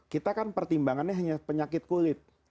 kita kan pertimbangannya hanya penyakit kulit